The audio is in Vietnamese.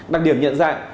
đặc điểm nhận dạng